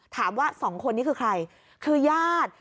ถามว่า๒คนนี้คือใครคือญาติ